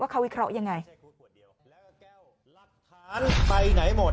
ว่าเขาวิเคราะห์อย่างไร